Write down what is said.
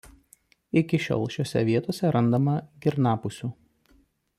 Iki šiol šiose vietose randama girnapusių.